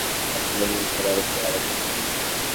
তারপরেই মূল কণার ওপর আরেক আঘাত।